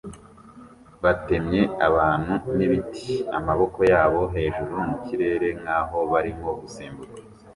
batemye abantu nibiti amaboko yabo hejuru mukirere nkaho barimo gusimbuka